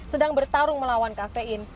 sedang bertarung melawan kafein